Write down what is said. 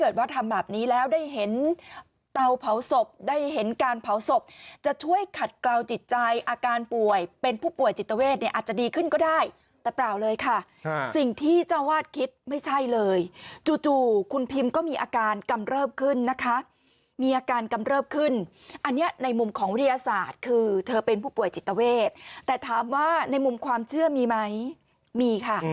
ได้เห็นเตาเผาศพได้เห็นการเผาศพจะช่วยขัดกล่าวจิตใจอาการป่วยเป็นผู้ป่วยจิตเวทเนี่ยอาจจะดีขึ้นก็ได้แต่เปล่าเลยค่ะสิ่งที่เจ้าวาดคิดไม่ใช่เลยจู่คุณพิมก็มีอาการกำเริบขึ้นนะคะมีอาการกำเริบขึ้นอันเนี่ยในมุมของวิทยาศาสตร์คือเธอเป็นผู้ป่วยจิตเวทแต่ถามว่าในมุมความเชื่อมีไ